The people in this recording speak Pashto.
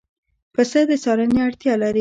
پسه د څارنې اړتیا لري.